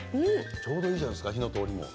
ちょうどいいじゃないですか、火の通りも。